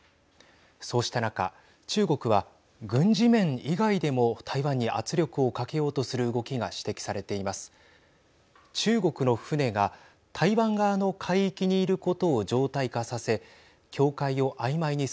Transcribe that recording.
そうした中、中国は軍事面以外でも台湾に圧力をかけようとする動きが指摘されています。